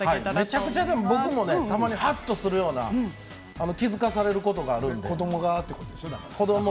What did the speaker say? めちゃくちゃ僕もはっとするような気付かされるようなことがあるので。